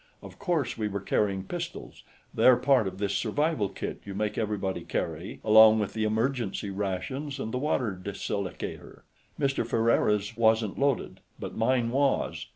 Of course, we were carrying pistols; they're part of this survival kit you make everybody carry, along with the emergency rations and the water desilicator. Mr. Ferriera's wasn't loaded, but mine was.